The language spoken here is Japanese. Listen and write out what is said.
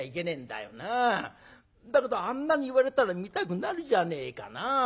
だけどあんなに言われたら見たくなるじゃねえかな。